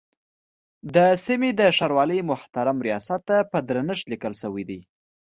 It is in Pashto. د سیمې د ښاروالۍ محترم ریاست ته په درنښت لیکل شوی دی.